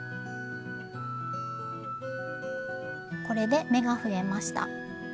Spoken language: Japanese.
これで目が増えました。